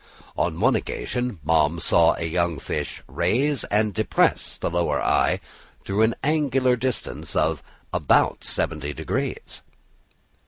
On one occasion Malm saw a young fish raise and depress the lower eye through an angular distance of about seventy degrees.